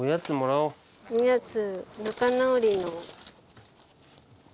おやつ仲直りの。